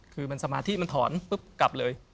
คือมันสมาธิมันถอนปุ๊บกลับเลย